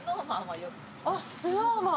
あっＳｎｏｗＭａｎ